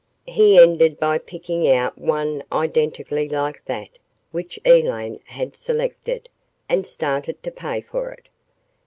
He ended by picking out one identically like that which Elaine had selected, and started to pay for it.